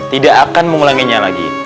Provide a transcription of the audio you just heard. tidak akan mengulanginnya lagi